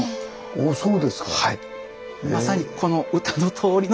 あそうですか。